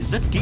rất khó khăn